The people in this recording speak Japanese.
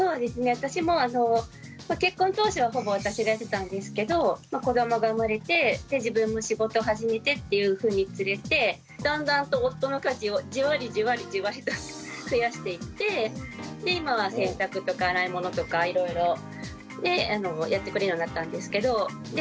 私も結婚当初はほぼ私がやってたんですけど子どもが生まれて自分も仕事始めてっていうふうにつれてだんだんと夫の家事をじわりじわりじわりと増やしていってで今は洗濯とか洗い物とかいろいろやってくれるようになったんですけど。